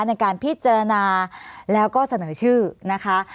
ในการพิจารณาแล้วก็เสนอชื่อนะคะ